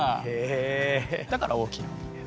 だから「大きな海」です。